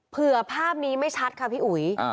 ภาพนี้ไม่ชัดค่ะพี่อุ๋ย